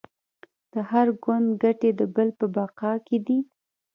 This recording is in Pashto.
د هر ګوند ګټې د بل په بقا کې دي